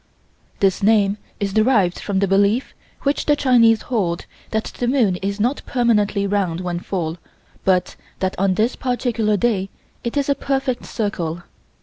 This name is derived from the belief which the Chinese hold that the moon is not permanently round when full, but that on this particular day it is a perfect circle.